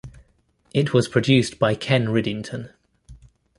It was produced by Ken Riddington.